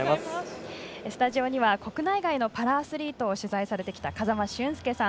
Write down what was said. スタジオには国内外のパラアスリートを取材してきた風間俊介さん